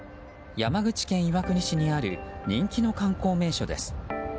山口県岩国市にある人気の観光名所です。